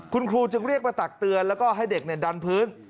คุณครูจึงเรียกมาตักเตือนแล้วก็ให้เด็กดันพื้น